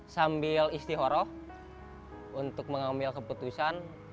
sambil istihoroh untuk mengambil keputusan